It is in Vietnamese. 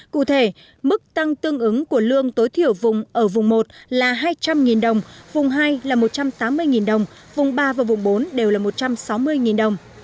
cụ thể mức tăng tương ứng của lương tối thiểu vùng ở vùng một là hai trăm linh đồng vùng hai là một trăm tám mươi đồng vùng ba và vùng bốn đều là một trăm sáu mươi đồng